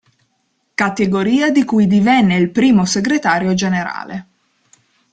Categoria di cui divenne il primo segretario generale.